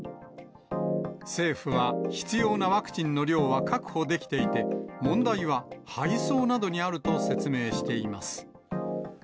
政府は、必要なワクチンの量は確保できていて、問題は配送などにあると説明しています。